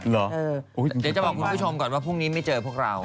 เดี๋ยวจะบอกคุณผู้ชมก่อนว่าพรุ่งนี้ไม่เจอพวกเรา